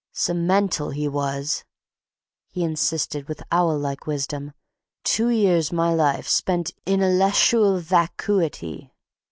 "'S a mental was'e," he insisted with owl like wisdom. "Two years my life spent inalleshual vacuity.